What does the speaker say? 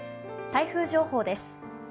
台風情報です。